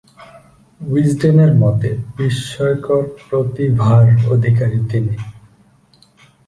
উইজডেনের মতে, বিস্ময়কর প্রতিভার অধিকারী তিনি।